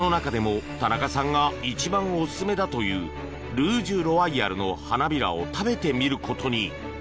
その中でも田中さんが一番おすすめだというルージュロワイヤルの花びらを食べてみることに。